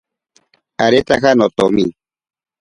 Aretaja notomi.